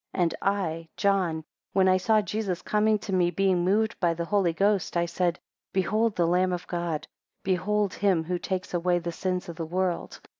12 And I, John, when I saw Jesus coming to me, being moved by the Holy Ghost, I said, Behold the Lamb of God, behold him who takes away the sins of the world.